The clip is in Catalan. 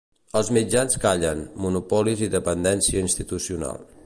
Els mitjans callen, monopolis i dependència institucional.